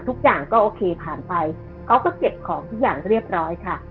ทุกอย่างก็โอเคผ่านไปเขาก็เก็บของทุกอย่างเรียบร้อยค่ะ